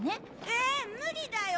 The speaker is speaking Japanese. え無理だよ！